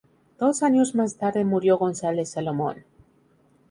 Dos años más tarde murió González Salomón.